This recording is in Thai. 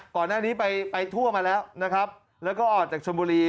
ก่อนหน้านี้ไปไปทั่วมาแล้วนะครับแล้วก็ออกจากชนบุรี